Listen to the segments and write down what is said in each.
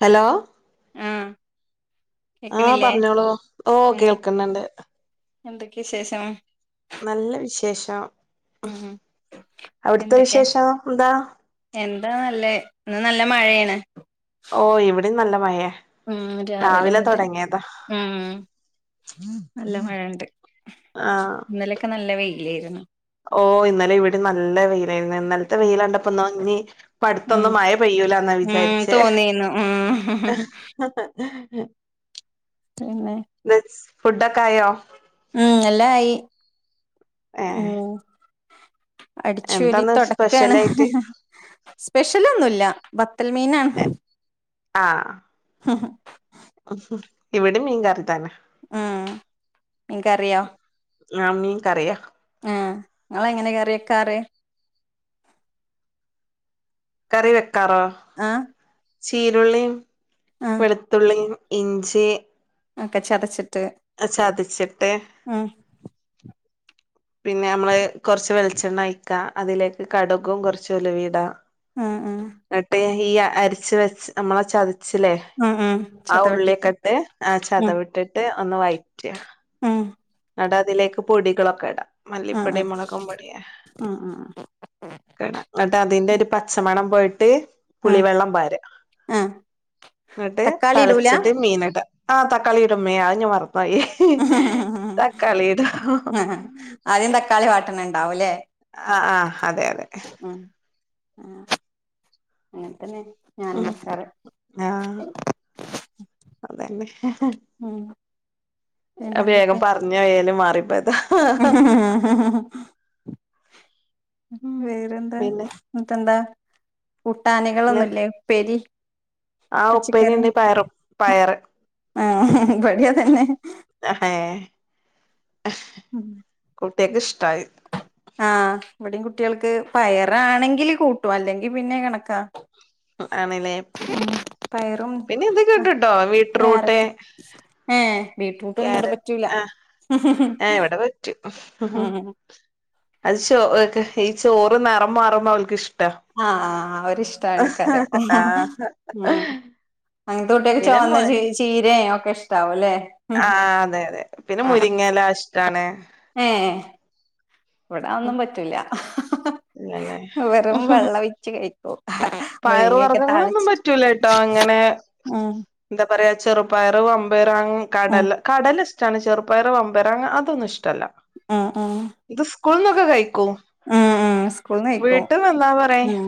Hello ആഹ് ആഹ് കേക്കണില്ലേ പറഞ്ഞോളു ഓ കേൾക്കുന്നുണ്ട് എന്തൊക്ക വിശേഷം നല്ല വിശേഷം ഉം അവിടുത്തെ വിശേഷോ ന്താ എന്താണല്ല ഇന്ന് നല്ല മഴേണ് ഓ ഇവിടിം നല്ല മഴയാ ഉം രാവിലെ മുതൽ ഉം നല്ല മഴെണ്ട് ആ ഇന്നലെക്ക നല്ല വെയിലാരുന്നു ഓ ഇന്നലെ ഇവിടെം നല്ല വെയിലായിരുന്നു [unintelligible] ത്തെ ഉം വെയിലാണ്ടപ്പോ തോന്നി ഉം പ്പടുത്തൊന്നും മയ പെയ്യൂലാന്നാ ഉം വിചാരിച്ചെ തോന്നിന്നു ഹ് ഉം ഹ് [unintelligible] പിന്നെ [unintelligible] ഫുഡൊക്കായോ ഉം എല്ലായി ആഹ് അടിച്ചോരി തൊടക്കേണ് സ്പെഷ്യലായിട്ട് സ്പെഷ്യലൊന്നുല്ല ബത്തൽ മീനാണ് ആഹ് ഹും ഹും ഹും ഹും ഇവിടെ മീൻ കറിതന്നെ ഉം മീൻക്കറിയോ ആഹ് മീൻകറിയാ ആഹ് ഇങ്ങളെങ്ങനെ കറിയക്കാറ് കറിവെക്കാറോ ആഹ് ചീരുള്ളീം ആഹ് വെളുത്തുള്ളീം ഇഞ്ചി ഒക്കെ ചതച്ചിട്ട് അ ചതച്ചിട്ട് ഉം പിന്നെ അമ്മള് കൊറച്ച് വെളിച്ചെണ്ണ ഒയിക്കാ അതിലേക്ക് കടുകും കൊറച്ച് ഉലുവിടാ ഉം ഉം ന്നട്ട് ഈ അ അരിച്ച് വെച്ച് നമ്മള ചതിച്ചില്ലേ ഉം ഉം ആ ചതവിട്ടിട്ട് ഉള്ളിക്ക ഇട്ട് ആ ഉം ചതവിട്ടിട്ട് ഒന്ന് വയ്റ്റ ഉം ന്നട്ടതിലേക്ക് പൊടികളൊക്കെ ഇടാ ആഹ് മല്ലിപ്പൊടി മുളകും പൊടിയെ ആഹ് ആഹ് ക്കിട എന്നട്ട് അതിന്റെ ഒരു പച്ചമണം പോയിട്ട് ആഹ് ആഹ് പുളിവെള്ളം പാര്യാ ആഹ് എന്നിട്ട് തക്കാളി ഇടൂല തിളച്ചിട്ട് മീൻ ഇട ആഹ് തക്കാളിയിടും മ്മേ അ ഞാൻ മറന്നോയി തക്കാളിയടു ആഹ് ആദ്യം തക്കാളി വാട്ടണ് ഉണ്ടാവൂല്ലേ ആഹ് ആഹ് അതെ അതെ ഉം ആഹ് അങ്ങനെത്തന്നെ ഉം ആഹ് അതന്നെ ഉം വേഗം പിന്നെന്തൊക്കെ പറഞ്ഞോ ഏല് മാറിപ്പോതാ ഉം വേറെന്താ പിന്നെ മത്തെന്താ പിന്നെ കൂട്ടാനകളൊന്നുല്ലേ ഉപ്പേരി ആ പച്ച ഉപ്പേരി കേറി ഉണ്ട് പയറും പയറ് ആഹ് ഇവിടം അതന്നെ എഹ് ഉം കുട്ടികക്ക് ഇഷ്ടയി ആഹ് ഇവിടയും കുട്ടികൾക്ക് പയറാണെങ്കില് കൂട്ടും അല്ലെങ്കിൽ പിന്നെ കണക്കാ ആണല്ലേ ഉം പയറും പിന്നെ ഇത് ആഹ് കിട്ടുട്ടോ ബീറ്റ്റൂട്ട് കാരറ്റും ഏഹ് ബീട്രൂട്ടൊന്നും ഇട ക്യാരറ്റ് പറ്റൂല റ്റ് ഉം അത് ചോ ഈ ചോറ് നിറം മാറുമ്പോ അവൾക്ക് ഇഷ്ട ആഹ് ഒരിഷ്ടമാണ് കരം ആ ഉം അങ്ങനത്തെ കുട്ടിയൊക്കെ പിന്നെ മു ചുവന്ന ച ചീരയും ഒക്കെ ഇഷ്ടാവല്ലേ ആഹ് അതെ അതെ പിന്നെ മുരിങ്ങല്ല ഇഷ്ടാണ് ഇവിട ഒന്നും പറ്റൂല ഇല്ലല്ലേ വെറും വെള്ള വിച്ച് കഴിക്കും പയറ് മുരിങ്ങയൊക്കെ വർഗ്ഗങ്ങളൊന്നും താളിച്ചിട്ട് പറ്റൂല ട്ടോ അങ്ങനെ ഉം എന്താ പറയാ ചെറുപ്പയർ മമ്പയർ ഉം കടല്ല കടല്ല സ് ചണ ചെറുപ്പയറ് വമ്പയറ് അങ്ങ അതൊന്നും ഇഷ്ടല്ല ഉം ഉം ഇത് സ്കൂൾനൊക്കെ കഴിക്കും ഉം ഉം സ്കൂൾന് കയിക്കും വീട്ടിൽ വന്നാ പറയും ഉം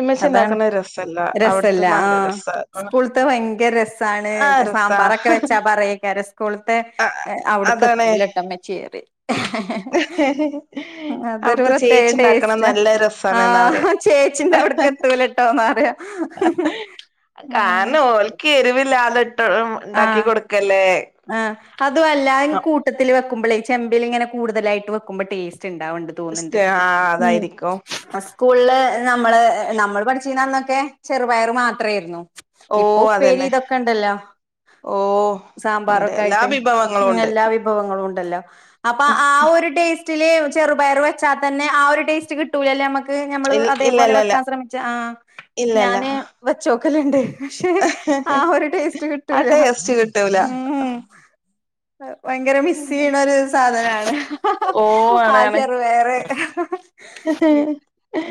ഇമ്മച്ചി അതാണ് ഇണ്ടാക്കണ രസല്ല രസല്ല അവിടുത്തെ നല്ല ആഹ് രസാ സ്കൂളത്തെ ഭയങ്കര രസ ആണ് ആ രസാ സാമ്പാറൊക്കെ വെച്ചാ പറയ്ക്കാരം സ്കൂളത്തെ അവിടുക്ക അതാണ് എത്തലെട്ടമ്മച്ചേയ് അതൊരു അവിടുത്തെ പ്രത്യേക ചേച്ചി ഇണ്ടാക്കണ ടേസ്റ്റ് നല്ല രസാണ് എന്നാ പറയാ ആഹ് ചേച്ചിന്റെ അവിടക്ക് എത്തുലട്ടോ ന്ന പറയാ ക എരിവില്ലാതെ ഇട് ഉണ്ടാക്കി ആഹ് കൊടുക്കല്ലേ ആഹ് അതും അല്ലാ കൂട്ടത്തിൽ വെക്കുമ്പോൾ ഈ ചെമ്പിൽ ഇങ്ങനെ കൂടുതലായിട്ട് വെക്കുമ്പോ ടേസ്റ്റ് ഉണ്ടാവണ്ട് തോന്നണ്ട് ആ ഉം അതായിരിക്കും സ്കൂളില് നമ്മള് നമ്മള് പഠിച്ചു അന്നൊക്കെ ചെറുപയർ മാത്രായിരുന്നു ഓ ഇപ്പൊ ഉപ്പേരി ഇതൊക്കെ ഉണ്ടല്ലോ ഓഹ് ഉണ്ട് എല്ലാ വിഭവങ്ങളും ഉണ്ട് വ ഉണ്ടല്ലോ അപ്പൊ ആഹ് ഒരു ടേസ്റ്റില് ചെറുപയർ വെച്ചാൽ തന്നെ ആഹ് ഒരു ടേസ്റ്റ് കി ക്കൂലല്ലേ നമ്മക്ക് നഞമ്മള് ഇ അതേപോലെ ഇല്ലല്ലല്ല വെക്കാൻ ശ്രമിച്ച ആഹ് ഇല്ലല്ല ഞാന് വെച്ചോക്കലുണ്ട് പക്ഷെ ആഹ് ഒരു ടേസ്റ്റ് ആ കിട്ടൂല ടേസ്റ്റ് കിട്ടൂല ഉം ഭയങ്കര മിസ് ചെയ്യണ ഒരു സാധനാണ് ഓ ആഹ് ആണാണ് ചെറുപയര്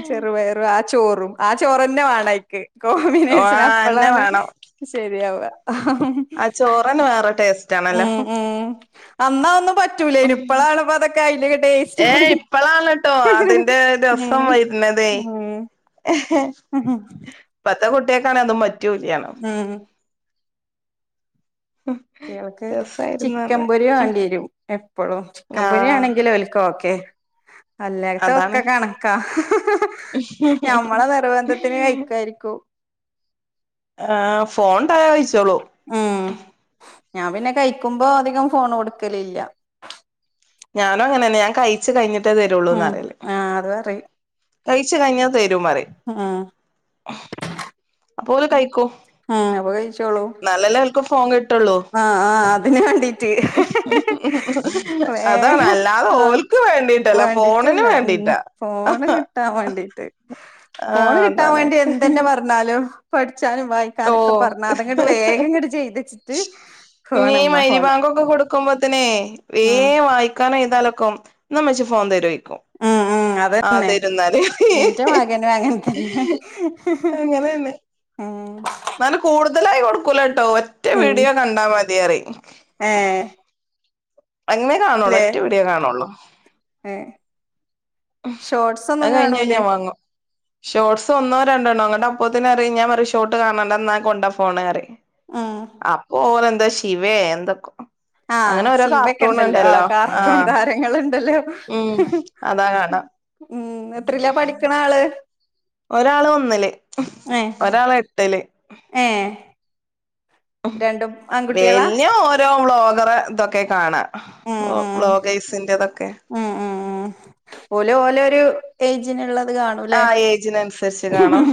ചെറുപയര് ആഹ് ചോറും ആ ചോറന്നെ വേണയ്ക്ക് ആ കോമ്പിനേഷൻ അന്നെ അപ്പളാണ് ശരിയാവ ആഹ് ചോറന് വേറെ ടേസ്റ്റ് ആണല്ലോ. ഉം ഉം അന്നാ ഒന്ന് പറ്റ. പറ്റൂല ഇപ്പളാണ്പ്പ അതൊക്കെ അയിന്റെ ടേസ്റ്റ്. ഏ ഇപ്പളാണ് തെ ഉം പത്ത കുട്ടിയക്കാണങ്കി അതും പറ്റൂല്ലാണ്. ഉം ഉം കുട്ട്യേൾക്ക്. ചിക്കൻപൊരി വേണ്ടി വരും എപ്പോഴും ആ ചിക്കൻപൊരി ആണെങ്കിൽ ഓൽക് ഓക്കെ. അല്ലാത്ത ഒക്കെ അതാണ് കണക്കാ ഞമ്മളെ നിർബന്ധത്തിന് കഴിക്കായിരിക്കും. ആഹ് ഫോൺണ്ടായ കഴിച്ചോളൂ. ഉം ഞാൻ പിന്നെ കഴിക്കുമ്പോ അധികം ഫോൺ കൊടുക്കലില്ല. ഞാനങ്ങനെന്നെ ഞാൻ കഴിച്ചു കഴിഞ്ഞിട്ടേ തരുള്ളൂന്ന പറയല്. ആഹ് അത് പറയും കഴിച്ചു കഴിഞ്ഞാൽ തരും പറിം. ആഹ്. അപ്പോ ഓല് കഴിക്കും. ഉം അപകഴിച്ചോളൂ. എന്നാലല്ലേ ഓൽക്ക് ഫോണ്. ആഹ് ആഹ് അതിന് വേണ്ടീട്ട് വേ അതാണ് അല്ലാതെ ആഹ്. ഓൽക്ക് വേണ്ടിട്ടല്ല ഫോണിന് വേണ്ടിട്ടല്ല ഉം വേണ്ടിട്ടാ ഫോണ് കിട്ടാ വേണ്ടീട്ട്. ഫോൺ ആഹ് കിട്ടാൻ അതാണ് വേണ്ടി എന്തന്നെ പറഞ്ഞു. പറഞ്ഞാലും പഠിച്ചാനും ഓ വായിക്കാനൊക്കെ പറഞ്ഞാ അതങ്ങോട്ട് വേഗം ഇങ്ങോട്ട് ചെയ്തച്ചിട്ട്. നീ ഫോണ് ഉമ്മ മഹരിബി ഫോണ് ബാങ്കൊക്കെ കൊടുക്. ക്ക്പോത്തിനെ വേ ഉം വായിക്കാനും എഴുതാനൊക്കാകും നമ്മച്ചി ഫോൺ തരുവോയ്ക്കും. ഉം ഉം അത് തന്നെ എന്റെ മായിരിന്നെമകനും അങ്ങനെ തന്നെ. അങ്ങനെന്നെ ഉം എന്നാലും കൂടുതലായി കൊടുക്കൂലട്ടോ ഒറ്റ വീഡിയോ കണ്ടാ മതിയറി. ഏഹ് അങ്ങനെ ല്ല കാണുള്ളൂ ഒറ്റ വീഡിയോ കാണുള്ളൂ ഏഹ് ഷോർട്സ് ഒന്നും അത് കഴിഞ്ഞ് കാണൂല്ലേ. കഴിഞ്ഞാ വാങ്ങും ഷോർട്സ് ഒന്നോ രണ്ടണ്ണോ അപ്പത്തിന് അറിം ഞാൻ ഒരു ഷോർട്ട് കാണണ്ട എന്ന കൊണ്ടാ ഫോണറിം. ഉം അപ്പൊ ഓഹ് എന്താ ശിവേ എന്തൊക്ക. ആഹ് അങ്ങനെ ഓരോ കാർട്ടൂൺ ഉണ്ടല്ലോ ആഹ്. നിങ്ങളുണ്ടല്ലോ. ഉം അതാ കാണാ ഉം എത്രീല പഠിക്കണെ ആള്. ഒരാള് ഒന്നില് ഒരാള് എട്ടില്. ഏഹ് ആൺകുട്ടികളാ വെല്യേ. ഓരോ ബ്ലോഗറ ഇതൊക്കെ കാണാ ഉം ഉം ബ്ലോഗേഴ്സിന്റതൊക്കെ. ഉം ഉം ഉം ഓല് ഓലൊരു. ഏജിനുള്ളത് കാണൂല്ലേ. ആഹ് ഏജിനനുസരിച്ച് കാണും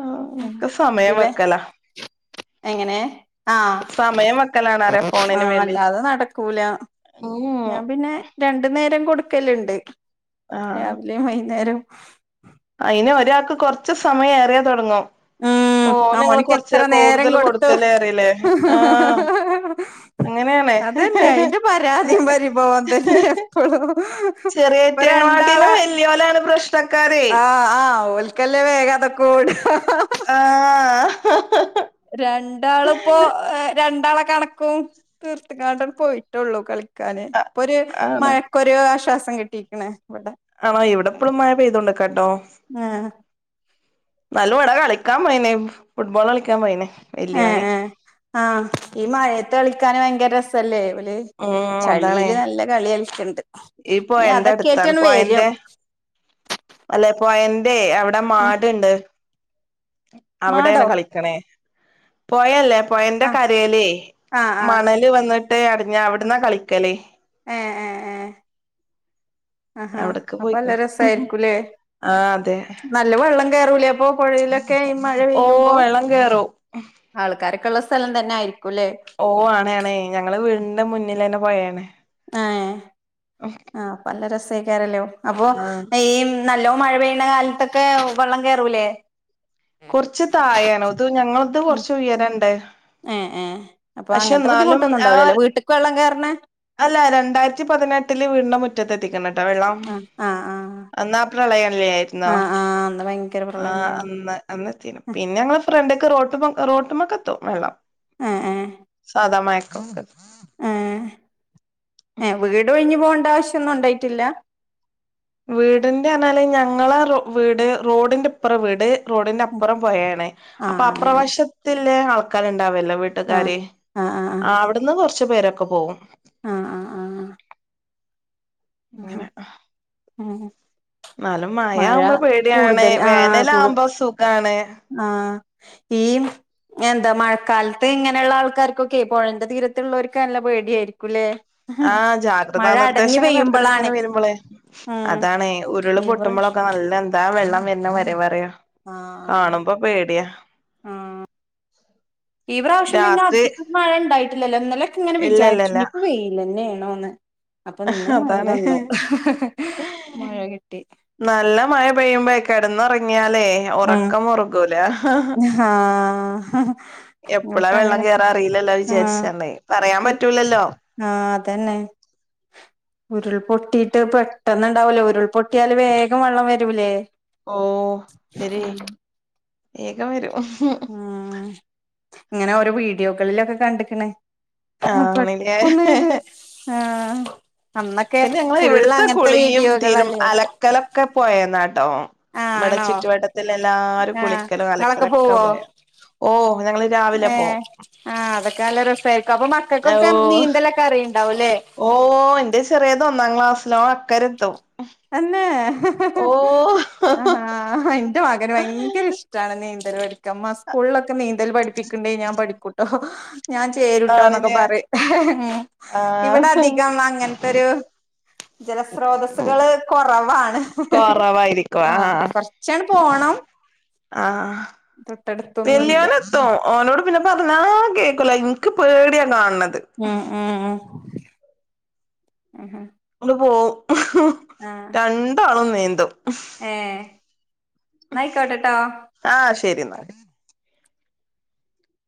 ആഹ് ഉം ക്ക് സമയം ഇവ വെക്കല. എങ്ങനെ ആഹ് സമയം വെക്കലാണ് അറിയ ഫോണിന് ആഹ് വേണ്ടി അല്ലാതെ നടക്കൂല ഉം ഞാൻ പിന്നെ. രണ്ടു നേരം കൊടുക്കലുണ്ട് ആഹ് രാവിലെ വൈകുന്നേരം. അയിന് ഒരാൾക്ക് കൊറച്ച് സമയം ഏറിയ തുടങ്ങും. ഉം ഉം ആഹ് മോന്ക്ക് എത്ര നേരം കൊടുത്തു. കൊടുത്തല്ലേ അറിയില്ലേ ആഹ് അങ്ങനെയാണ് അതന്നെ അതിന്റെ പരാതിയും പരിഭവം തന്നെ എപ്പോഴും. ചെറിയറ്റങ്ങളാട്ടിലും വലിയോലാണ് പ്രശ്നക്കാരെ. ആഹ് ആഹ് ഓൽക്കല്ലേ വേഗം അതൊക്കെ ഓട ആഹ് രണ്ടാളും ഇപ്പോ രണ്ടാളെ കണക്കും തീർത്ത്ക്കാണ്ടാണ്ട് പോയിട്ടുള്ളൂ കളി ക്കാൻ ഇപ്പൊരു ആണ് മഴക്കൊരു ആശ്വാസം കിട്ടിയിരിക്കണ് ഇവടെ. ആണോ എവിടെ ഇപ്പോഴും മഴ പെയ്തോണ്ട് നിക്കാട്ടോ. ആഹ് നല്ലവട കളിക്കാൻ പോയിണ് ഫുട്ബോൾ കളിക്കാൻ പോയിണ് വല്യോന്. ആ ഈ മഴയത്ത് കളിക്കാന് ഭയങ്കര രസല്ലേ ഓല് ഉം അതാണേ ചളിയില് നല്ല കളിയളിക്കണ്ട്. ഈ പൊഴന്റെ അടുത്താണ് പൊഴന്റെ അല്ലെ പൊഴന്റെ അവിടെ ഉം മാട്ണ്ട്. അവിടെണ് മാടോ കളിക്ക്ണേ. പൊഴല്ലേ പൊഴന്റെ ആഹ് കരേല് ആഹ് ആഹ് മണല് വന്നിട്ട് അടിഞ്ഞ അവിട്ന്നാ കളിക്കല്. ഏ ഏ അഹാ അവിടക്ക് അപ്പോ ല്ല പോയിക്കണ് രസായിരിക്കുലേ ആ അതെ നല്ല വെള്ളം കേറൂലേ അപ്പോ? പുഴയിലൊക്കെ ഈ മഴ ഓ പെയ്യുമ്പോ വെള്ളം കേറും ആൾക്കാരൊക്കെള്ള സ്ഥലം തന്നെ ആയിരിക്കും ല്ലേ. ഓ ആണ് ആണേ ഞങ്ങളെ വീടിന്റെ മുന്നിലന്നെ പൊഴെണ്. ഏ ആ അപ്പല്ല രസേക്കാരല്ലോ അപ്പോ ആ ഈ നല്ലോം മഴ പെയ്യ്ണ കാലത്തൊക്കെ വെള്ളം കേറൂലേ? കൊർച്ച് താഴെണ് തു ഞങ്ങൾത് കൊർച്ച് ഉയരണ്ട്. ഏ ഏ അപ്പോ പക്ഷെ അങ്ങൻത്തെ എന്നാലും ബുദ്ധിമുട്ടൊന്നും ആ ണ്ടാവ് ലലെ വീട്ട്ക്ക് വെള്ളം കേർണ അല്ല രണ്ടായിരത്തി പതിനെട്ടില് വീടിന്റെ മുറ്റത്ത് എത്തിക്ക്ണട്ടോ വെള്ളം ആഹ് അന്നാ പ്രളയല്ലേര് ആ ആ അന്ന് ഭയങ്ക് ആ അന്ന് അന്നത്തീനു പിന്നെ ങ്ങളെ ഫ്രണ്ട്ക്ക് റോട്ട്മ്മക് റോട്ടുമ്മക്ക് എത്തും വെള്ളം. എ ഏ സാധാ മഴക്കുണ്ട്. ഏ എ വീട് ഒഴിഞ്ഞു പോണ്ട ആവശ്യന്നും ഉണ്ടായിട്ടില്ല. വീടിന്റെ ർഞ്ഞാല് ഞങ്ങളെ റൊ വീട് റോഡിന്റെ ഇപ്പുറം വീട് റോഡിന്റെ അപ്പുറം പുഴേണ് ആഹ് അപ്പ അങ്ങനെ അപ്രവശത്തില്ലേ ആൾക്കാര് ണ്ടാവല്ലോ ആഹ് വീട്ടുകാര് ആഹ് ആഹ് ആവ്ട്ന്ന് കൊർച്ച് പേരൊക്കെ പോകും. ആഹ് ആഹ് ആഹ്. ആഹ ഏ ഏ ന്നാലും മഴ ആവുമ്പോ പേടിയാണ്. ആഹ് വേനൽ കൂടു ആവുമ്പോ സുഖാണ്. ആഹ് ഈ എന്താ മഴക്കാലത്ത് ഇങ്ങനെയുള്ള ആൾക്കാർക്കൊക്കെ പുഴന്റെ തീരത്തുള്ളവർക്ക് നല്ല പേടിയായിരിക്കും ലേ ആ ജാഗ്രതാ നിർദ്ദേശങ്ങനെ എട്ക്കെട്ക്ക്ങ്ങനെ വരുമ്പളെ ഉം അതാണേ ഉരുള് ഈ പ്രാവശ്യം പൊട്ടുമ്പോളൊക്കെ നല്ല എന്താ വെള്ളം വരുന്ന വരവ് അറിയോ. ആഹ് കാണുമ്പോ പേടിയാ ഈ പ്രാവശ്യം പിന്നെ രാത്രി അധികം മഴ ണ്ടായിട്ടില്ലല്ലോ ഇന്നലൊക്കെ ങ്ങനെ ഇല്ല ഇല്ല വിചാര്ച്ചു ഇല്ല ഇനിയിപ്പോ വെയിലന്നെണോന്ന്. അപ്പൊന്ന് മഴ അതാണ് വന്നു മഴ കിട്ടി. നല്ല മഴ പെയ്യുമ്പോ കിടന്നുറങ്ങിയാലേ ഉം ഒറക്കം മുറുകൂല. ആഹ്. എപ്പളാ നിങ്ങൾക്ക് വെള്ളം അങ്ങനൊക്കെ കേറാ അറിയില്ലല്ലോ വിചാരിച്ചാണ്ട് പറയാൻ പറ്റൂലല്ലോ. ആ അതന്നെ. ഉരുൾപൊട്ടിയിട്ട് പെട്ടന്ന് ണ്ടാവല്ലോ ഉരുൾപൊട്ടിയാല് വേഗം വെള്ളം വരൂലേ? ഓ വെരുയ് ശരി ഉം വേഗം വരും. ഉം ഇങ്ങനെ ഓരോ വീഡിയോകളിലൊക്കെ കണ്ട്ക്ക്ണ്. ആ ആണില്ലേ പെട്ടെന്ന് ങ്ങ്ട് ആ അന്നൊക്കെ പിന്നെ ഞങ്ങള് ഫുള്ള് അങ്ങൻത്തെ വീഡിയോകൾഅല്ലേയ്നൊ കലക്കെ പോയെന്നാട്ടോ. വിടെ ആണോ ചുറ്റുവട്ടത്ത്ള്ള എല്ലാരും ആഹ് കുളിക്കലും ഇങ്ങളൊക്കെ അലക്കലൊക്കെ പൊയേന്ന ഏ ആ അതൊക്കെ അല്ല രസയിരിക്കും അപ്പൊ മക്കക്കൊക്കെ ഓ നീന്തലൊക് ക്കറിംണ്ടാവുല്ലേ ഓ ന്റെ ചെറീത് ഒന്നാം ക്ലാസ്സ്ല ഓ അക്കരത്തും. അന്നെ ഹ് ആഹ എന്റെ മകന് ഭയങ്കര ഇഷ്ടണ് നീന്തൽ പഠി സ്കൂളിലൊക്കെ നീന്തൽ പഠിപ്പിക്കണ്ടേ ഞാൻ പഠിക്കൂട്ടോ ഞാൻ ചേരുട്ടോ എന്നൊക്കെ ആണില്ലേ പറിം. ആഹ് ഇവിടെ അധികം അങ്ങനത്തെരു ജലസ്രോതസ്സുകള് കുറവാണ് കൊറവായിരിക്കും ആഹ ആഹ് കൊറച്ചാണ പോണം. തൊട്ടടുത്തൊന്നുംല്ല. ട്ടോ ഓനോട് പിന്നെ പറഞ്ഞാ കേൾക്കൂല ഇൻക്ക് പേടിയാ കാണണത്. ഏഹ ഉഹ ഉ ഉ അ പോവും രണ്ടാളും നീന്തും. ഏഹ നയിക്കോട്ടെട്ടോ. ആഹ ശരി ന്നാല്